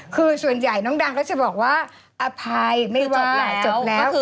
คือส่วนใหญ่น้องดังก็จะบอกว่าอภัยไม่จบแหละจบแล้ว